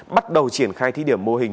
bắt đầu triển khai thí điểm mô hình